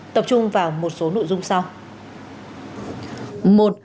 tập trung vào một số nội dung sau